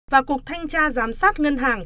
và cục thanh tra giám sát ngân hàng